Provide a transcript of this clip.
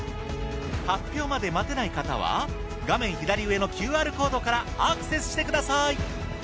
発表まで待てない方は画面左上のＱＲコードからアクセスしてください。